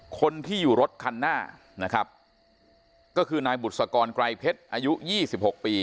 คนที่อยู่รถคันหน้านะครับก็คือนายบุษกรไกรเพชรอายุยี่สิบหกปี